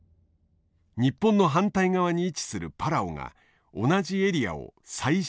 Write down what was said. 日本の反対側に位置するパラオが同じエリアを再申請。